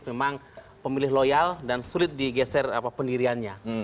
memang pemilih loyal dan sulit digeser pendiriannya